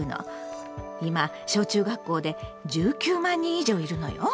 今小中学校で１９万人以上いるのよ。